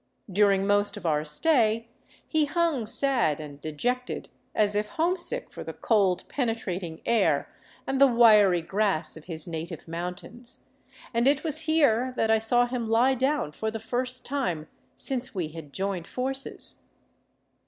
During most of our stay he hung sad and dejected, as if homesick for the cold, penetrating air and the wiry grass of his native mountains, and it was here that I saw him lie down for the first time since we had joined forces.